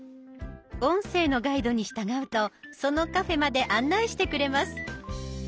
音声のガイドに従うとそのカフェまで案内してくれます。